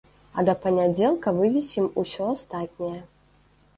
А да панядзелка вывесім усё астатняе.